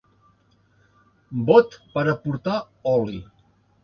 Bot per a portar oli.